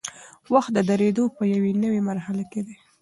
وخت د درېدو په یوې نوي مرحله کې دی.